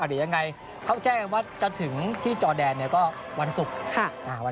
เดี๋ยวยังไงเขาแจ้งว่าจะถึงที่จอแดนเนี่ยก็วันศุกร์